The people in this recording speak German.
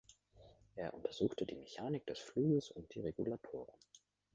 Er untersuchte die Mechanik des Fluges und die Regulatoren.